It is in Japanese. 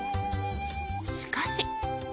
しかし。